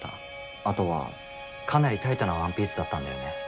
あとはかなりタイトなワンピースだったんだよね。